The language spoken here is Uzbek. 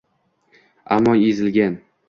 Ammo ezilgan